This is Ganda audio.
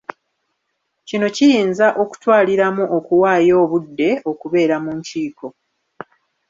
Kino kiyinza okutwaliramu okuwaayo obudde okubeera mu nkiiko.